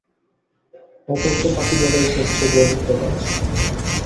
অপরকে পাপী বলাই সবচেয়ে গর্হিত কাজ।